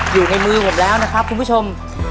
อยู่ในมือหมดแล้วนะครับคุณผู้ชม